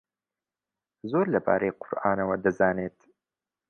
زۆر لەبارەی قورئانەوە دەزانێت.